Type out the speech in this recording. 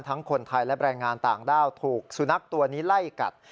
คนไทยและแรงงานต่างด้าวถูกสุนัขตัวนี้ไล่กัด